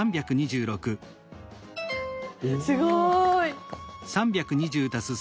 すごい。